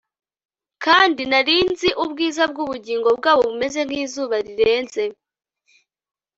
kandi nari nzi ubwiza bwubugingo bwabo bumeze nkizuba rirenze